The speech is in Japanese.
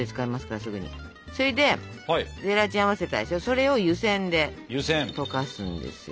それを湯せんで溶かすんですよ。